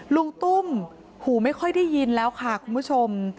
ลุงตุ้มหูไม่ค่อยได้ยินแล้วค่ะคุณผู้ชม